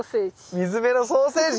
水辺のソーセージ。